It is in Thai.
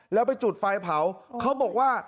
แล้วไปจุดไฟเผาเขาบอกว่า